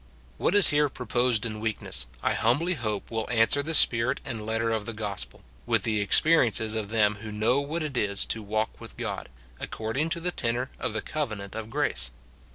What is here proposed in weakness, I humbly hope will answer the spirit and letter of the gospel, with the experiences of them who know what it is to walk with God, according to the tenor of the covenant of grace.